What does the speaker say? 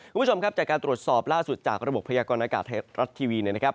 คุณผู้ชมครับจากการตรวจสอบล่าสุดจากระบบพยากรณากาศไทยรัฐทีวีเนี่ยนะครับ